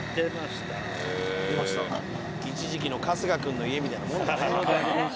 一時期の春日君の家みたいなもんだね。